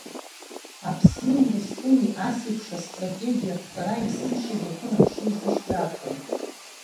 Аԥсни Урыстәылеи, ас еиԥш Астратегиа аԥҵара есымшагьы акыр ахшыҩзышьҭра арҭон.